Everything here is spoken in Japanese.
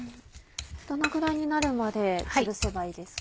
どのぐらいになるまでつぶせばいいですか？